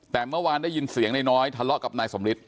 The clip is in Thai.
แต่เมื่อวานได้ยินเสียงนายน้อยทะเลาะกับนายสมฤทธ